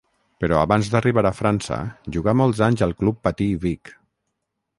Però abans d'arribar a França, jugà molts anys al Club Patí Vic.